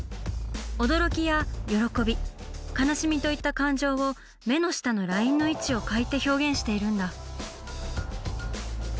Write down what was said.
「驚き」や「喜び」「悲しみ」といった感情を目の下のラインの位置を変えて表現しているんだ。